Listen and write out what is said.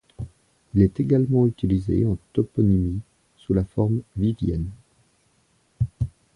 Il est également utilisé en toponymie, sous la forme Vivienne.